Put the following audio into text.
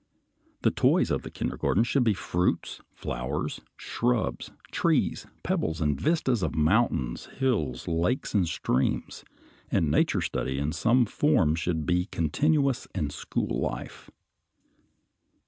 The toys of the kindergarten should be fruits, flowers, shrubs, trees, pebbles, and vistas of mountains, hills, lakes, and streams, and nature study in some form should be continuous in school life.